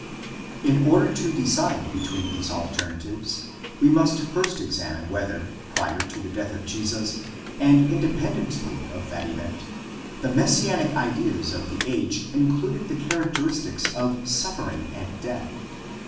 In order to decide between these alternatives, we must first examine whether, prior to the death of Jesus, and independently of that event, the messianic ideas of the age included the characteristics of suffering and death.